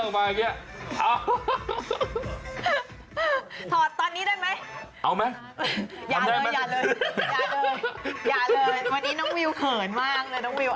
วันนี้น้องวิวเขินมากเลย